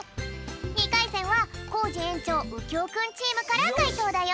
２かいせんはコージ園長うきょうくんチームからかいとうだよ。